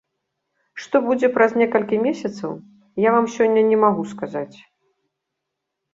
Што будзе праз некалькі месяцаў, я вам сёння не магу сказаць.